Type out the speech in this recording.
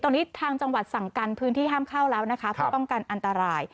ตอนนี้ทางจังหวัดสั่งกันพื้นที่ห้ามเข้าแล้วนะคะเพื่อป้องกันอันตราย